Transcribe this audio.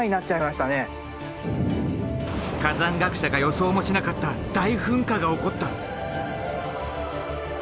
火山学者が予想もしなかった大噴火が起こった。